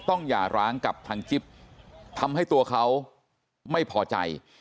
หย่าร้างกับทางจิ๊บทำให้ตัวเขาไม่พอใจ